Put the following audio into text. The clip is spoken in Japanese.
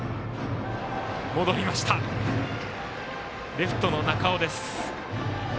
レフトの中尾です。